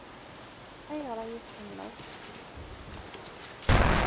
Ayɣer ay iyi-tḥemmleḍ?